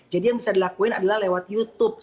jadi yang bisa dilakuin adalah lewat youtube